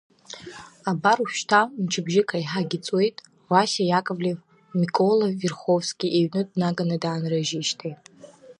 Абар ожәшьҭа мчыбжьык аиҳагьы ҵуеит, Васиа Иаковлев Микола Верховски иҩны днаганы даанрыжьижьҭеи.